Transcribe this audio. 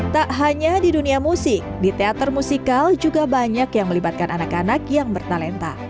tak hanya di dunia musik di teater musikal juga banyak yang melibatkan anak anak yang bertalenta